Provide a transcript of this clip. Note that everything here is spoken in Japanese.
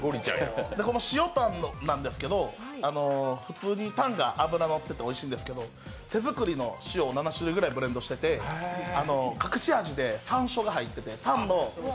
この塩タンなんですけど、普通にタンが脂が乗ってておいしいんですけど手作りの塩を７種類ぐらいブレンドしてて隠し味でさんしょうが入ってて。